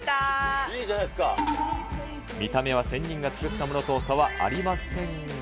見た目は仙人が作ったものと差はありませんが。